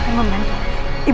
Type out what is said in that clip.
kita harus pergi